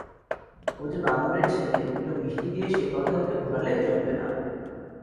ও যে বামুনের ছেলে, দুটো মিষ্টি দিয়ে সে কথা ওকে ভোলালে চলবে না।